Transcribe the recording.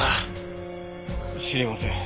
知りません。